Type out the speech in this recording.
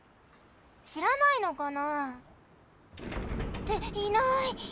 しらないのかな？っていない！